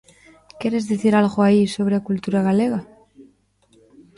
Queres dicir algo aí sobre a cultura galega?